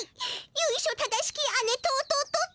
ゆいしょ正しき姉と弟って感じ。